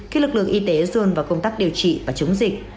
khi lực lượng y tế dồn vào công tác điều trị và chống dịch